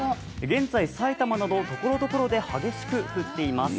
現在、埼玉などところどころで激しく降っています。